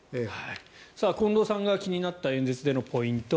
近藤さんが気になった演説でのポイント